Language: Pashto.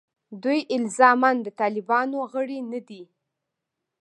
دوی الزاماً د طالبانو غړي نه دي.